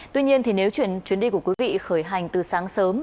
tuy nhiên nếu chuyến đi của quý vị khởi hành từ sáng sớm